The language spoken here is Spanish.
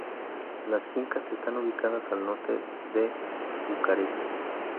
Las fincas están ubicadas al norte de Bucarest.